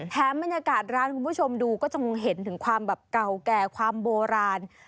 บรรยากาศร้านคุณผู้ชมดูก็จะคงเห็นถึงความแบบเก่าแก่ความโบราณ